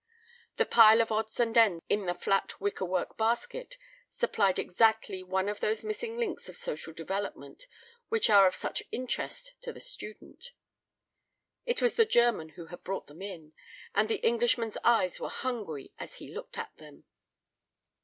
The pile of odds and ends in the flat wicker work basket supplied exactly one of those missing links of social development which are of such interest to the student. It was the German who had brought them in, and the Englishman's eyes were hungry as he looked at them.